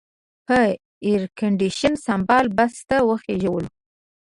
په ایرکنډېشن سمبال بس ته وخېژولو.